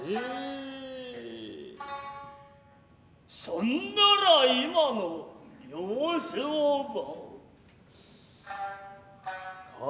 そんなら今の様子をば。